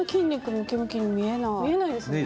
見えないですよね